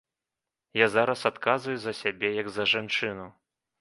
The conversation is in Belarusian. Я зараз адказваю за сябе як за жанчыну.